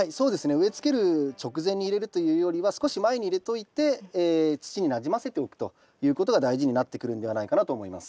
植えつける直前に入れるというよりは少し前に入れといて土になじませておくということが大事になってくるんではないかなと思います。